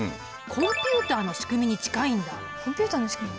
コンピュータの仕組みに近い？